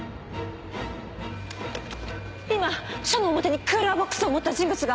今署の表にクーラーボックスを持った人物が。